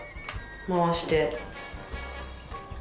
回して。